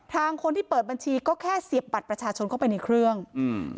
ทางคนที่เปิดบัญชีก็แค่เสียบบัตรประชาชนเข้าไปในเครื่องอืม